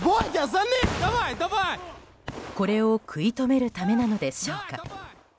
これを食い止めるためなのでしょうか。